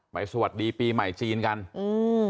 สวัสดีปีใหม่จีนกันอืม